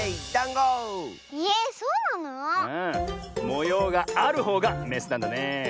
もようがあるほうがメスなんだねえ。